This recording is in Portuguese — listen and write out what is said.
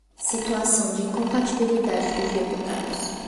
Situação de compatibilidade dos deputados.